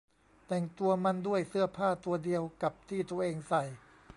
แต่งตัวมันด้วยเสื้อผ้าตัวเดียวกับที่ตัวเองใส่